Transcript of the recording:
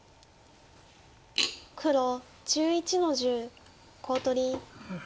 黒１１の十コウ取り。